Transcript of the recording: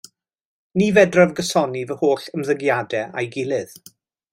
Ni fedraf gysoni fy holl ymddygiadau â'i gilydd.